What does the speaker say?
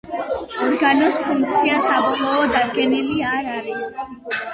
ორგანოს ფუნქცია საბოლოოდ დადგენილი არ არის.